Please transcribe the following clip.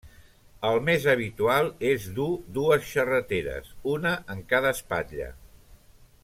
El més habitual és dur dues xarreteres, una en cada espatlla.